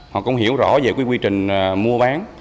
họ cũng hiểu rõ về quy trình mua bán